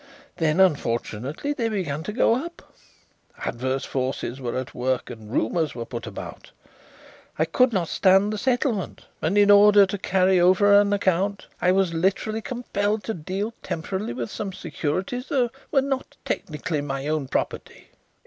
Then, unfortunately, they began to go up. Adverse forces were at work and rumours were put about. I could not stand the settlement, and in order to carry over an account I was literally compelled to deal temporarily with some securities that were not technically my own property."